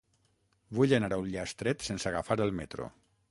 Vull anar a Ullastret sense agafar el metro.